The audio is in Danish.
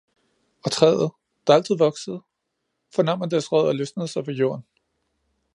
Og træet, der altid voksede, fornam at dets rødder løsnede sig fra jorden